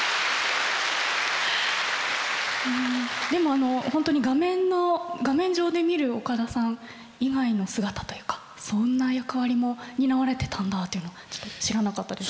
でも本当に画面上で見る岡田さん以外の姿というかそんな役割も担われてたんだっていうの知らなかったです。